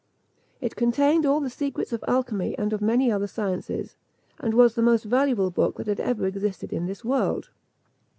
It contained all the secrets of alchymy and of many other sciences, and was the most valuable book that had ever existed in this world.